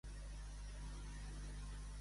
On anirà JxCat, segons Borràs?